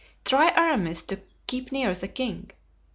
Try, Aramis, to keep near the king.